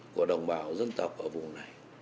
của đồng bào dân tộc ở vùng này